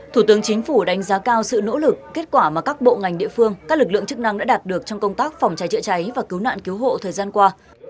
thủ tướng chính phủ đánh giá cao sự nỗ lực kết quả mà các bộ ngành địa phương các lực lượng chức năng đã đạt được trong công tác phòng cháy chữa cháy và cứu nạn cứu hộ thời gian qua